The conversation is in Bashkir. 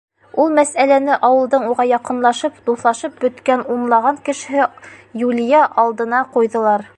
Ул мәсьәләне ауылдың уға яҡынлашып, дуҫлашып бөткән унлаған кешеһе Юлия алдына ҡуйҙылар.